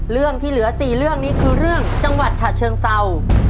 เรื่องที่เหลือ๔เรื่องนี้คือเรื่องจังหวัดฉะเชิงเศร้า